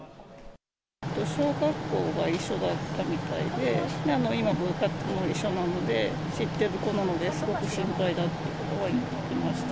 小学校が一緒だったみたいで、今、部活も一緒なので、知ってる子なので、すごく心配だって言ってました。